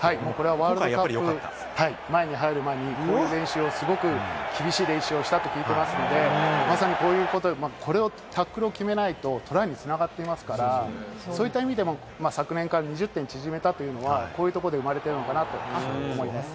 ワールドカップ入る前に、この練習をすごく厳しい練習をしたと聞いていますので、まさにこういうところ、タックルを決めないと、トライに繋がっていますから、そういった意味でも昨年から２０点縮めたというのはこういうところで生まれたのかなと思います。